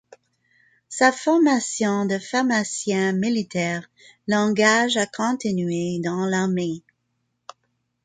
Sa formation de pharmacien militaire l'engage à continuer dans l'armée.